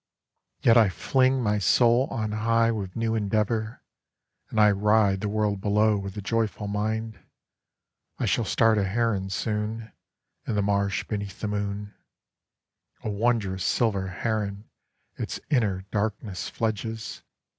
Yet I fling my soul on high with new endeavor, And I ride the world below with a joyful mind.I shall start a heron soonIn the marsh beneath the moon—A wondrous silver heron its inner darkness fledges!